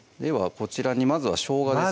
こちらにまずはしょうがです